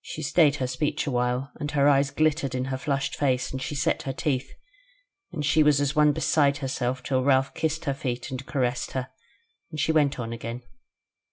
She stayed her speech a while, and her eyes glittered in her flushed face and she set her teeth; and she was as one beside herself till Ralph kissed her feet, and caressed her, and she went on again.